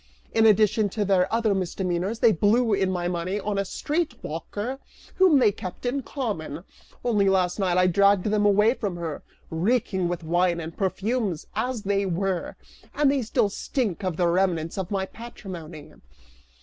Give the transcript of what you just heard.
In addition to their other misdemeanors, they blew in my money on a street walker whom they kept in common; only last night I dragged them away from her, reeking with wine and perfumes, as they were, and they still stink of the remnants of my patrimony!"